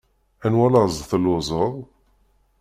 Anwa laẓ telluẓeḍ?